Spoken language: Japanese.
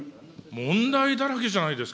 問題だらけじゃないですか。